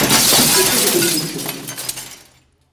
Les choses évoluent vite, cependant.